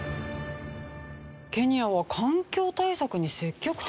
ケニアは環境対策に積極的なんですね。